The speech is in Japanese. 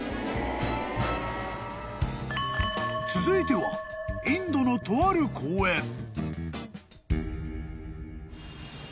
［続いてはインドのとある公園］